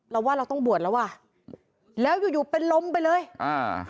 เราว่าเราต้องบวชแล้วว่ะแล้วอยู่อยู่เป็นลมไปเลยอ่า